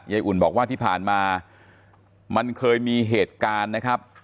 อุ่นบอกว่าที่ผ่านมามันเคยมีเหตุการณ์นะครับ